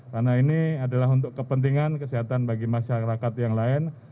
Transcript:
karena ini adalah untuk kepentingan kesehatan bagi masyarakat yang lain